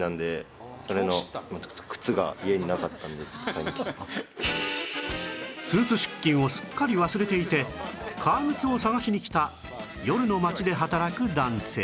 今日はスーツ出勤をすっかり忘れていて革靴を探しに来た夜の街で働く男性